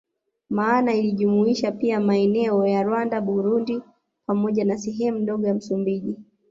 Maana ilijumlisha pia maeneo ya Rwanda na Burundi pamoja na sehemu ndogo ya Msumbiji